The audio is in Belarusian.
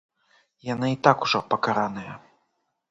Яны і так ужо пакараныя.